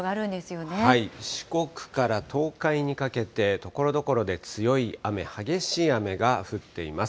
四国から東海にかけて、ところどころで強い雨、激しい雨が降っています。